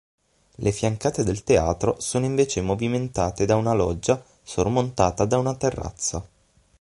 Le fiancate del teatro sono invece movimentate da una loggia sormontata da una terrazza.